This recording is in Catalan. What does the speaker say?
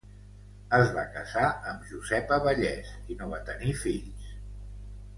Es va casar amb Josepa Vallès i no va tenir fills.